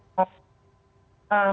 dan umumnya harus dikonsultasikan dulu